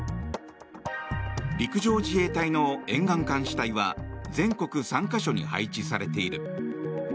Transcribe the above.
陸上自衛隊の沿岸監視隊は全国３か所に配置されている。